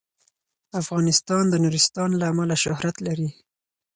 افغانستان د نورستان له امله شهرت لري.